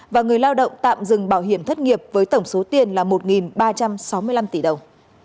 và người lao động tạm dừng bảo hiểm thất nghiệp với tổng số tiền là một ba trăm sáu mươi năm tỷ đồng